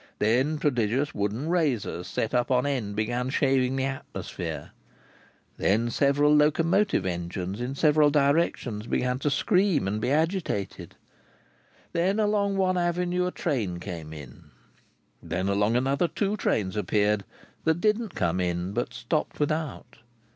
Then, prodigious wooden razors set up on end, began shaving the atmosphere. Then, several locomotive engines in several directions began to scream and be agitated. Then, along one avenue a train came in. Then, along another two trains appeared that didn't come in, but stopped without.